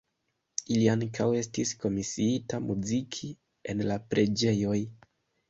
Ili ankaŭ estis komisiita muziki en la preĝejoj.